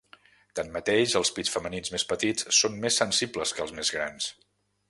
Tanmateix, els pits femenins més petits són més sensibles que els més grans.